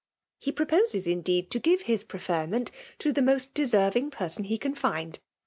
He proposes, indeed, to give his pr^£er«* ment to the most deserving person he can find.